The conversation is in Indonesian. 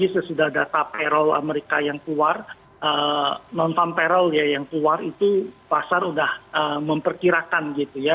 setelah payroll amerika yang keluar non farm payroll yang keluar itu pasar sudah memperkirakan gitu ya